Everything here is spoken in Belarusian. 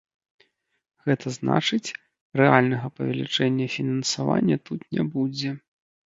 Гэта значыць, рэальнага павелічэння фінансавання тут не будзе.